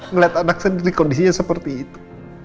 melihat anak sendiri kondisinya seperti itu